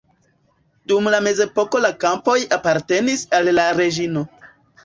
Dum la mezepoko la kampoj apartenis al la reĝino.